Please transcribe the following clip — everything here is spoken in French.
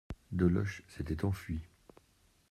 Deloche s'était enfui.